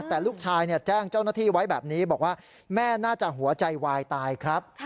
แต่ลูกชายแจ้งเจ้าหน้าที่ไว้แบบนี้บอกว่าแม่น่าจะหัวใจวายตายครับ